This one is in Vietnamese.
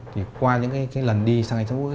thì qua những cái lần đi sang anh sang úc